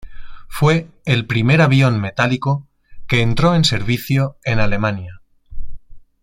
Fue el primer avión metálico que entró en servicio en Alemania.